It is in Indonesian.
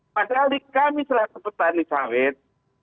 padahal di kami selaku petani sawit